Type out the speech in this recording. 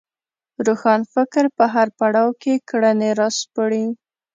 روښانفکر په هر پړاو کې کړنې راسپړي